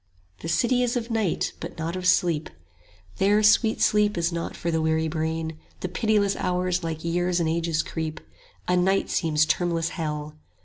70 The City is of Night, but not of Sleep; There sweet sleep is not for the weary brain; The pitiless hours like years and ages creep, A night seems termless hell.